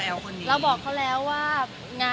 มีปิดฟงปิดไฟแล้วถือเค้กขึ้นมา